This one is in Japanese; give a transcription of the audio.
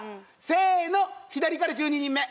せの左から１２人目！